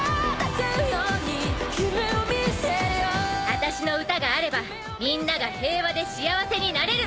「あたしの歌があればみんなが平和で幸せになれる」